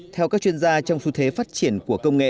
theo các chuyên gia trong xu thế phát triển của công nghệ